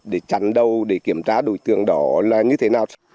để chặn đầu để kiểm tra đối tượng đó là như thế nào